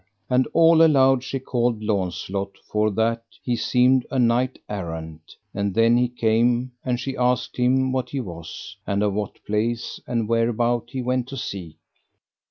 And all aloud she called Launcelot, for that he seemed a knight errant. And then he came, and she asked him what he was, and of what place, and where about he went to seek.